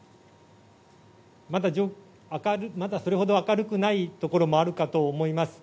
まだ、それほど明るくない所もあるかと思います。